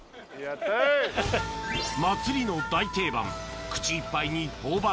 祭りの大定番口いっぱいに頬張る